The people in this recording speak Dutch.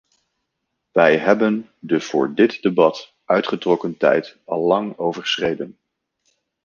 Wij hebben de voor dit debat uitgetrokken tijd allang overschreden.